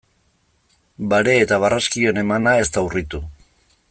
Bare eta barraskiloen emana ez da urritu.